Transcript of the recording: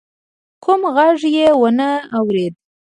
کوم غږ يې وانه ورېد.